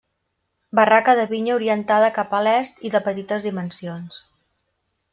Barraca de vinya orientada cap a l'est i de petites dimensions.